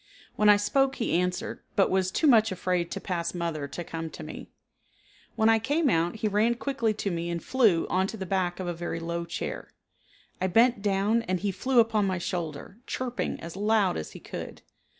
When I spoke he answered, but was too much afraid to pass mother to come to me. When I came out he ran quickly to me and flew onto the back of a very low chair. I bent down and he flew up on my shoulder, chirping as loud as he could.